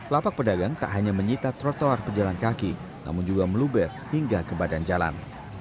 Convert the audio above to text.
lapak pedagang tak hanya menyita trotoar pejalan kaki namun juga meluber hingga ke badan jalan